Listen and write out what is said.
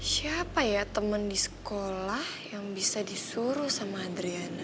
siapa ya teman di sekolah yang bisa disuruh sama adriana